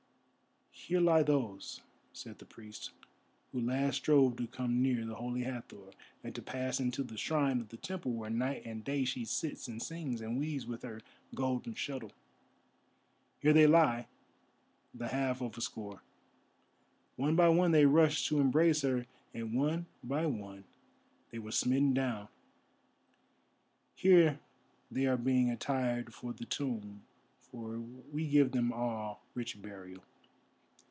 "Here lie those," said the priest, "who last strove to come near the Holy Hathor, and to pass into the shrine of the temple where night and day she sits and sings and weaves with her golden shuttle. Here they lie, the half of a score. One by one they rushed to embrace her, and one by one they were smitten down. Here they are being attired for the tomb, for we give them all rich burial."